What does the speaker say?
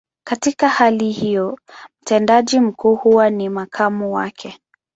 Katika hali hiyo, mtendaji mkuu huwa ni makamu wake.